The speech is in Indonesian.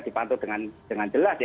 dipantul dengan jelas